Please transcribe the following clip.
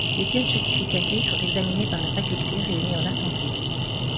Les pièces justificatives sont examinés par la faculté réunie en assemblée.